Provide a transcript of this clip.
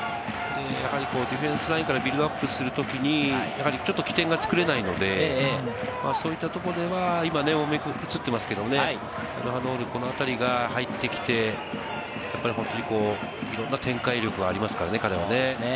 ディフェンスラインからビルドアップするときに、ちょっと起点が作れないので、そういったところでは、今映っていますけれどもね、チャルハノール、このあたりが入ってきて、思いっきりいろんな展開力がありますからね、彼はね。